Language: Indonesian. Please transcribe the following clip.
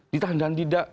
ditahan dan tidak